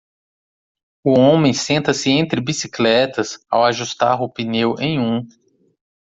O homem senta-se entre bicicletas ao ajustar o pneu em um.